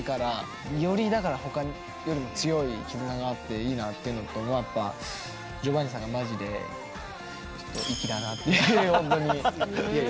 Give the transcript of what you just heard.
よりだから他よりも強い絆があっていいなっていうのとやっぱジョバンニさんがマジでちょっと粋だなって本当に。